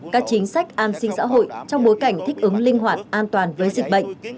các chính sách an sinh xã hội trong bối cảnh thích ứng linh hoạt an toàn với dịch bệnh